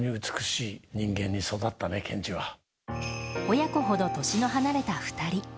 親子ほど年の離れた２人。